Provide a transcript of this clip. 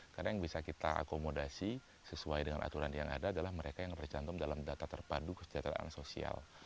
karena yang bisa kita akomodasi sesuai dengan aturan yang ada adalah mereka yang bercantum dalam data terpadu kesejahteraan sosial